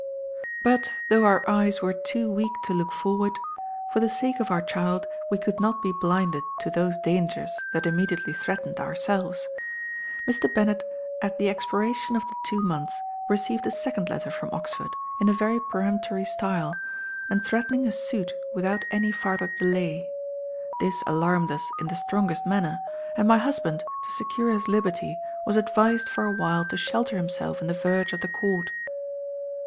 "But, though our eyes were too weak to look forward, for the sake of our child, we could not be blinded to those dangers that immediately threatened ourselves. Mr. Bennet, at the expiration of the two months, received a second letter from Oxford, in a very peremptory stile, and threatening a suit without any farther delay. This alarmed us in the strongest manner; and my husband, to secure his liberty, was advised for a while to shelter himself in the verge of the court.